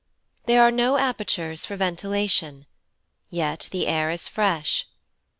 There are no apertures for ventilation, yet the air is fresh.